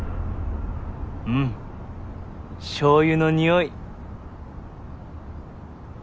うんしょうゆの匂い。